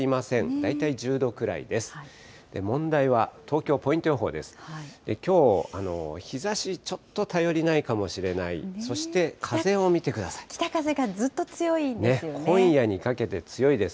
大体１０度くらいです。